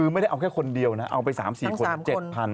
ไม่ได้เอาแค่คนเดียวนะเอาไป๓๔คน